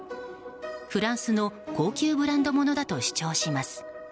フランスの高級ブランドものだと主張します。